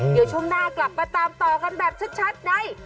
เดี๋ยวช่วงหน้ากลับมาตามต่อกันแบบชัดใน